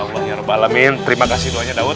terima kasih doanya daud